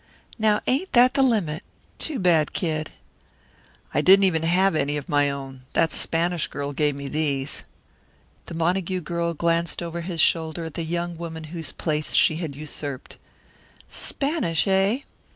"Now, ain't that the limit? Too bad, Kid!" "I didn't even have any of my own. That Spanish girl gave me these." The Montague girl glanced over his shoulder at the young woman whose place she had usurped. "Spanish, eh?